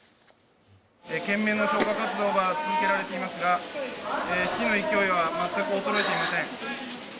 懸命の消火活動が続けられていますが火の勢いは全く衰えていません。